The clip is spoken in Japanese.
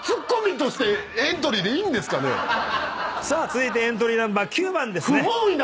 続いてエントリーナンバー９番ですね。